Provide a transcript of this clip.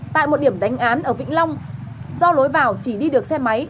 tại một điểm đánh án ở vĩnh long do lối vào chỉ đi được xe máy